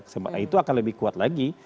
kesempatan nah itu akan lebih kuat lagi